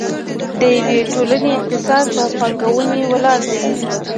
د یوې ټولنې اقتصاد په پانګونې ولاړ دی.